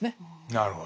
なるほど。